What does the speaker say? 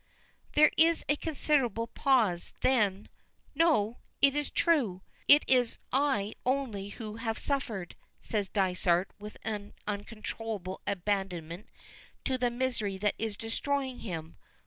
There is a considerable pause, and then "No! It is true! It is I only who have suffered," says Dysart with an uncontrollable abandonment to the misery that is destroying him.